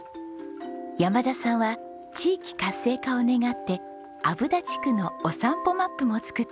山田さんは地域活性化を願って虻田地区のお散歩マップも作っています。